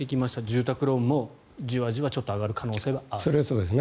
住宅ローンもじわじわ上がる可能性はある。